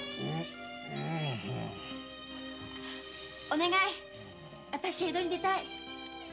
う？お願いあたし江戸に出たい。